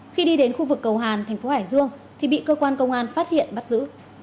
khi đi đến khu vực cầu hàn thành phố hải dương thì bị cơ quan công an phát hiện bắt giữ